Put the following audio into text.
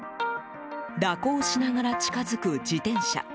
蛇行しながら近づく自転車。